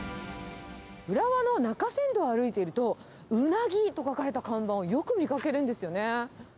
浦和の中山道を歩いていると、ウナギと書かれた看板をよく見かけるんですよね。